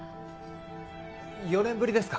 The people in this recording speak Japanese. ４年ぶりですか？